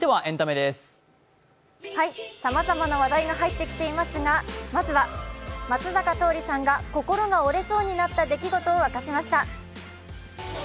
さまざまな話題が入ってきていますがまずは松坂桃李さんが、心が折れそうになった出来事を明かしました。